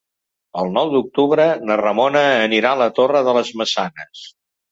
El nou d'octubre na Ramona anirà a la Torre de les Maçanes.